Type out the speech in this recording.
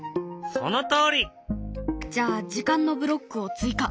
そのとおり！じゃあ時間のブロックを追加。